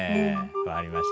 分かりました。